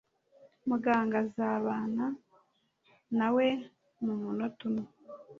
Muganga azabana nawe mumunota umwe.